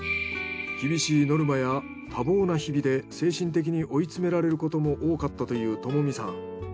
厳しいノルマや多忙な日々で精神的に追い詰められることも多かったという友実さん。